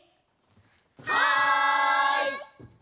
はい！